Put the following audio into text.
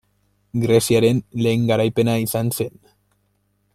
Greziaren lehen garaipena izan zen.